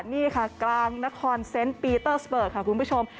นี่ค่ะกลางนครเซนต์ปีเตอร์สเบิร์กค่ะคุณผู้ชม